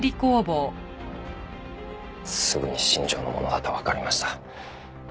すぐに新庄のものだとわかりました。